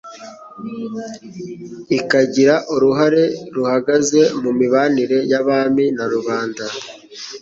ikagira uruhare ruhagaze mu mibanire y'Abami na rubanda